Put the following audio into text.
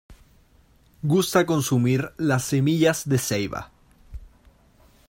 Gusta consumir las semillas de ceiba.